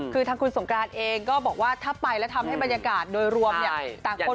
คือทางคุณสงกรานเองก็บอกว่าถ้าไปแล้วทำให้บรรยากาศโดยรวมต่างคน